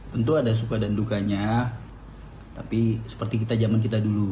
tentu ada suka dan dukanya tapi seperti kita zaman kita dulu